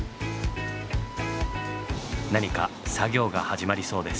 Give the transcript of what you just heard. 何か作業が始まりそうです。